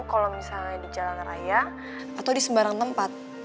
kalau misalnya di jalan raya atau di sembarang tempat